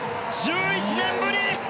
１１年ぶり